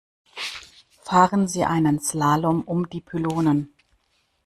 Fahren Sie einen Slalom um die Pylonen.